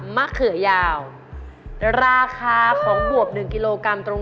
เบ็ทกูจะให้๑ทีละตัว